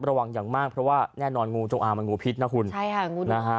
ระวังอย่างมากเพราะว่าแน่นอนงูจงอางมันงูพิษนะคุณใช่ค่ะงูนะฮะ